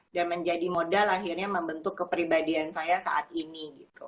dan menjadi modal akhirnya membentuk kepribadian saya saat ini